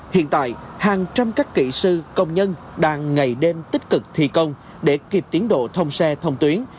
hiện tại hàng trăm các kỹ sư công nhân đang ngày đêm tích cực thi công để kịp tiến độ thông xe thông tuyến